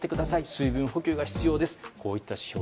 水分補給が必要ですと。